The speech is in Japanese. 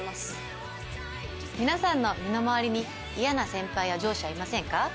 広瀬：皆さんの身の回りにイヤな先輩や上司はいませんか？